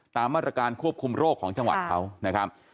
ตามมาตรการควบคุมโรคของจังหวัดเขานะครับ